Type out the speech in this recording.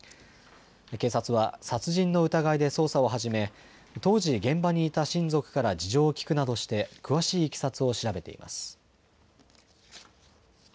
警察は殺人の疑いで捜査を始め、当時、現場にいた親族から事情を聞くなどして詳しいいきさつを調べています。